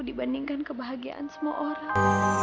dibandingkan kebahagiaan semua orang